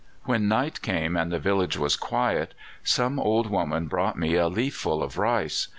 When night came and the village was quiet, some old woman brought me a leafful of rice.